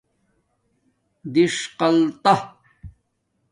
دݽقاتہ